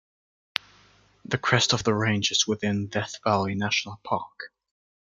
The crest of the range is within Death Valley National Park.